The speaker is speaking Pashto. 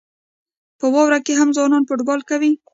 په واورو کې هم ځوانان فوټبال کوي.